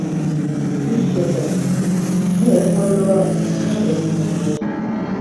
Шӱш чытыш, ни ыш ойырло, ни лектын ыш воч.